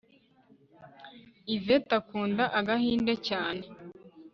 ivete akunda agahinde cyane